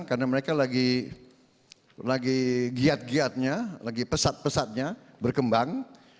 karena mereka lagi giat giatnya lagi pesat pesatnya berkembang